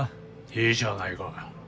いいじゃないか。